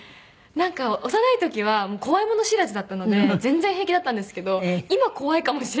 なんか幼い時は怖いもの知らずだったので全然平気だったんですけど今怖いかもしれないですね。